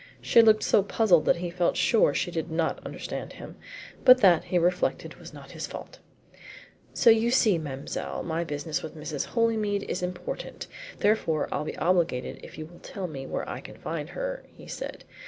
She looked so puzzled that he felt sure she did not understand him. But that, he reflected, was not his fault. "So you see, mademoiselle, my business with Mrs. Holymead is important, therefore I'll be obliged if you will tell me where I can find her," he said.